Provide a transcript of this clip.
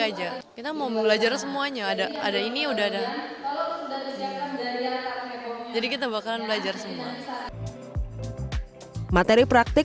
aja kita mau belajar semuanya ada ada ini udah ada jadi kita bakalan belajar semua materi praktik